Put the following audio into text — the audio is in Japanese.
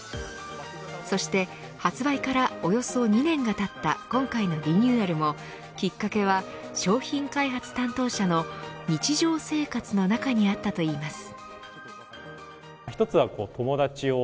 そして発売からおよそ２年がたった今回のリニューアルもきっかけは商品開発担当者の日常生活の中にあったといいます。